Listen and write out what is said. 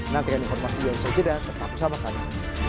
nantikan informasi yang selesai dan tetap bersama kami